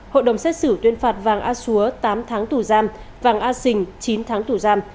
hội đồng xét xử tuyên phạt vàng a súa tám tháng tù giam vàng a sình chín tháng tù giam